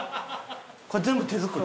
これ全部手作り？